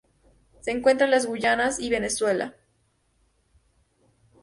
Se encuentra en las Guayanas y Venezuela.